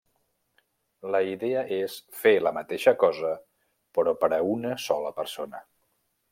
La idea és fer la mateixa cosa però per a una sola persona.